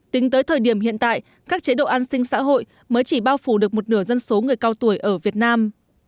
tính tới thời điểm hiện tại các chế độ an sinh xã hội mới chỉ bao phủ được một nửa dân số người cao tuổi ở việt nam